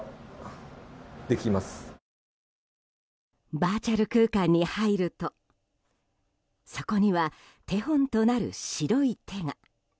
バーチャル空間に入るとそこには、手本となる白い手が。